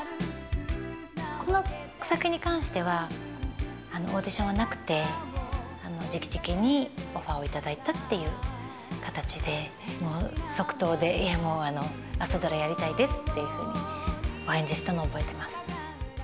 この作品に関してはオーディションはなくてじきじきにオファーをいただいたっていう形で即答で、朝ドラやりたいですっていうふうにお返事したのを覚えてます。